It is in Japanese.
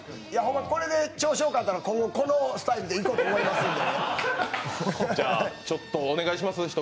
これで調子よかったら今後、このスタイルでいこうと思いますんで。